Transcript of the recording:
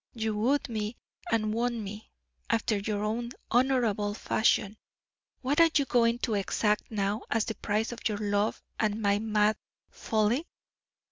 You wooed me and won me, after your own honorable fashion what are you going to exact now as the price of your love and my mad folly?